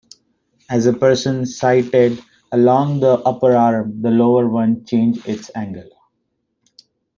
As a person sighted along the upper arm, the lower one changed its angle.